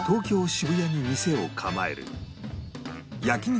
渋谷に店を構える焼肉